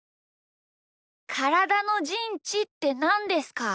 からだのじんちってなんですか？